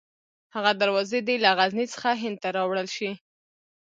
هغه دروازې دې له غزني څخه هند ته راوړل شي.